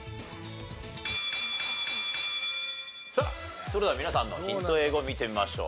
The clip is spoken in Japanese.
さあそれでは皆さんのヒント英語見てみましょう。